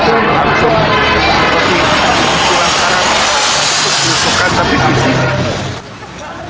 kita bisa menyusukan tapi disini